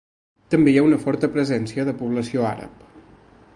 També hi ha una forta presència de població àrab.